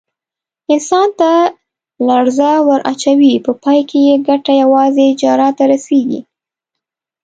انسان ته لړزه ور اچوي، په پای کې یې ګټه یوازې جراح ته رسېږي.